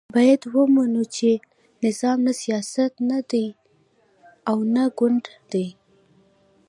باید ومنو چې نظام نه سیاست دی او نه ګوند دی.